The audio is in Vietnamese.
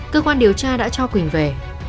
cơ quan điều tra đã cho quỳnh về